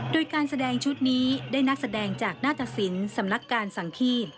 โดยการแสดงชุดนี้ได้นักแสดงจากหน้าตสินสำนักการสังขีด